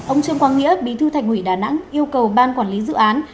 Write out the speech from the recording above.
ông trương quang nghĩa bí thư thành ủy đà nẵng yêu cầu ban quản lý dự án